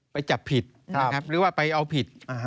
ไปจับผิด